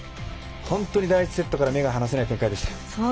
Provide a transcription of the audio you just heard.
本当に第１セットから目が離せない展開でした。